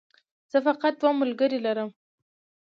زه فقط دوه ملګري لرم